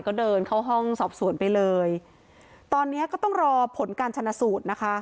ก็เดินเข้าห้องสอบสวนไปเลยตอนเนี้ยก็ต้องรอผลการชนะสูตรนะคะ